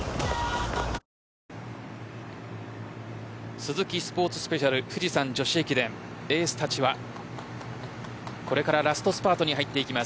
スズキスポーツスペシャル富士山女子駅伝エースたちはこれから、ラストスパートに入ってきます。